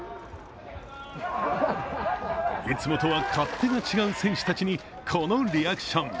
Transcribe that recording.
いつもとは勝手が違う選手たちに、このリアクション。